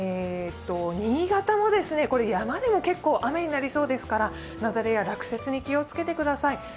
新潟も山でも結構、雨になりそうですから雪崩や落雪に気をつけてください。